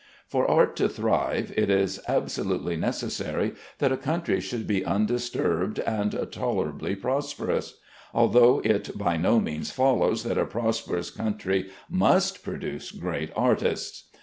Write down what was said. For art to thrive, it is absolutely necessary that a country should be undisturbed and tolerably prosperous; although it by no means follows that a prosperous country must produce great artists.